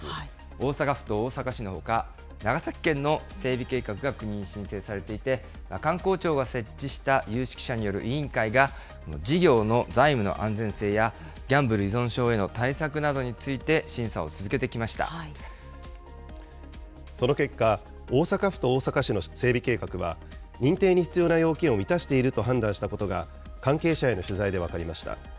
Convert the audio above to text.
大阪府と大阪市のほか、長崎県の整備計画が国に申請されていて、観光庁が設置した有識者による委員会が、事業の財務の安全性やギャンブル依存症への対策などについて審査その結果、大阪府と大阪市の整備計画は、認定に必要な要件を満たしていると判断したことが関係者への取材で分かりました。